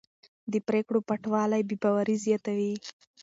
د پرېکړو پټوالی بې باوري زیاتوي